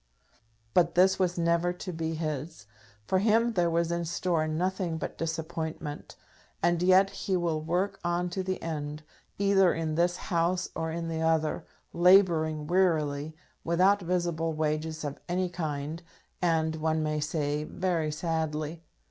But this was never to be his. For him there was in store nothing but disappointment. And yet he will work on to the end, either in this House or in the other, labouring wearily, without visible wages of any kind, and, one may say, very sadly.